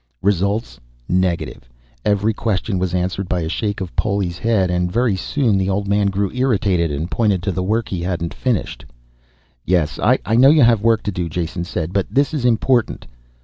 Results negative. Every question was answered by a shake of Poli's head, and very soon the old man grew irritated and pointed to the work he hadn't finished. "Yes, I know you have work to do," Jason said. "But this is important."